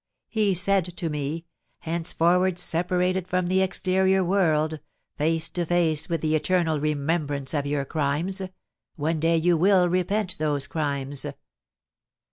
He said to me, 'Henceforward separated from the exterior world, face to face with the eternal remembrance of your crimes, one day you will repent those crimes.'